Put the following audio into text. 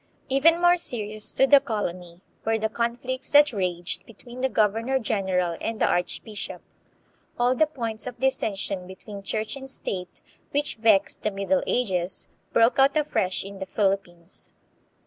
Even more serious to the colony were the conflicts that raged between the governor general and the archbishop. All the points of dissension between Church and State, which vexed the Middle Ages, broke out afresh in the Philippines.